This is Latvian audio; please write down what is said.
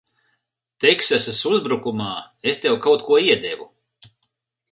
Teksasas uzbrukumā es tev kaut ko iedevu.